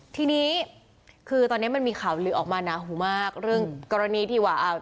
ทีนี้คือตอนเนี้ยมันมีข่าวลือออกมาหนาหูมากเรื่องกรณีที่ว่าอ่า